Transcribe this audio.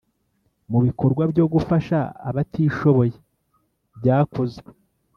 Mubikorwa byogufasha abtishoboye byakozwe